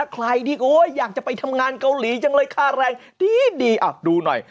ใครที่อยากจะไปทำงานเกาหลีจังเลยค่าแรงดีดูหน่อย